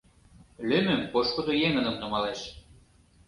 Лӱмым пошкудо еҥыным нумалеш.